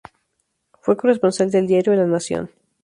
Fue corresponsal del diario La Nación.